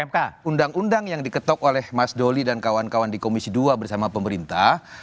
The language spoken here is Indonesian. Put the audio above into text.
karena undang undang yang diketok oleh mas doli dan kawan kawan di komisi dua bersama pemerintah